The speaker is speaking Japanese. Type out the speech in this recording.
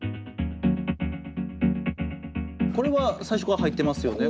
これは最初から入ってますよね？